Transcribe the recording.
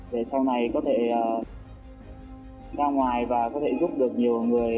để sau này có thể ra ngoài và có thể giúp được nhiều người